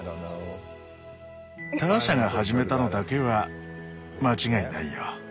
ターシャが始めたのだけは間違いないよ。